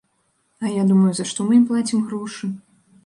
А я думаю, за што мы ім плацім грошы?